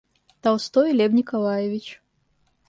Толстой Лев Николаевич.